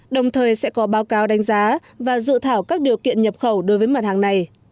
đồng thời sẽ có báo cáo đánh giá và dự thảo các điều kiện nhập khẩu đối với mặt hàng này